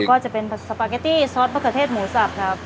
ก็จะเป็นสปาเกตตี้ซอสมะเขือเทศหมูสับครับ